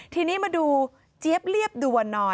ทีนี้มาดูเจี๊ยบเรียบด่วนหน่อย